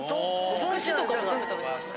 つくしとかも全部食べてました。